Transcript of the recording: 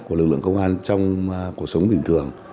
của lực lượng công an trong cuộc sống bình thường